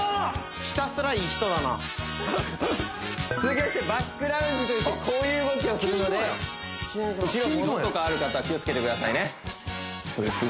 ひたすらいい人だな続きましてバックランジというこういう動きをするので後ろに物とかある方は気をつけてくださいねそうです